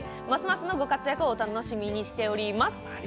ますますのご活躍を楽しみにしています。